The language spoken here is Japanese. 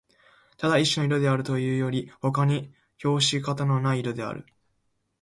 ただ一種の色であるというよりほかに評し方のない色である